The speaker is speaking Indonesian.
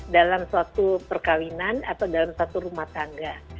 dalam suatu perkawinan atau dalam satu rumah tangga